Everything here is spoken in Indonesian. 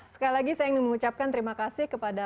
sekali lagi saya ingin mengucapkan terima kasih kepada